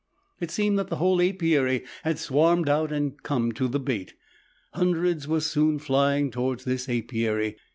It seemed that the whole apiary had swarmed out and come to the bait hundreds were soon flying towards this apiary.